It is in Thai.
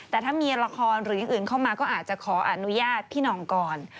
แต่ถ้ามีละครหรืออย่างอื่นเข้ามาก็อาจจะขออนุญาตพี่หน่องก่อน